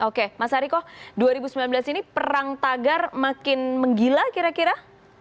oke mas ariko dua ribu sembilan belas ini perang tagar makin menggila kira kira